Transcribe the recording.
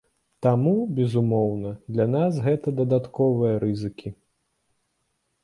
Таму, безумоўна, для нас гэта дадатковыя рызыкі.